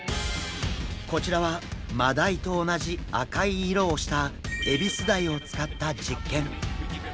こちらはマダイと同じ赤い色をしたエビスダイを使った実験。